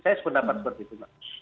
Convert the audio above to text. saya pendapat seperti itu